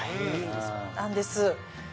そうなんです。